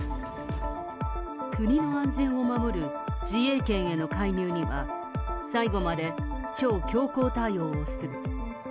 国の安全を守る自衛権への介入には、最後まで超強硬対応をする。